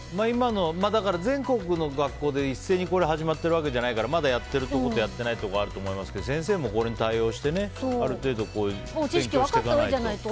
全国の学校で一斉に始まってるわけじゃないからまだやっているところとやってないところがあると思いますけど、先生もこれに対応してある程度勉強していかないと。